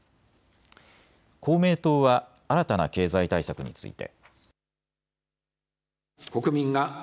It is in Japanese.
公明党は新たな経済対策について。